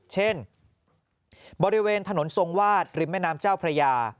เช่นบริเวณถนนทรงวาดริมแม่น้ำเจ้าพระยา